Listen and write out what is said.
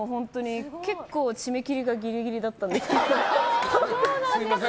結構締め切りがギリギリだったんですけど。